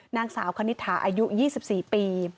นางสาวคณิตถาอายุ๒๔ปี